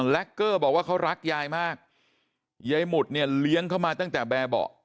เกอร์บอกว่าเขารักยายมากยายหมุดเนี่ยเลี้ยงเขามาตั้งแต่แบบเบาะ